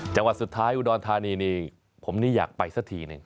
จังหวัดสุดท้ายอุดรธานีนี่ผมนี่อยากไปสักทีหนึ่ง